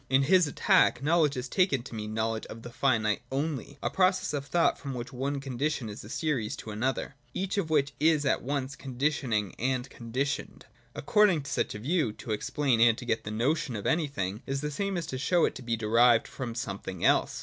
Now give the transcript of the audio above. In his attack knowledge is taken to mean knowledge of the finite onl}', a process of thought from one condition in a series to another, each of which is at once conditioning and conditioned. According to such a view, to explain and to get the notion of anything, is the same as to show it to be derived from something else.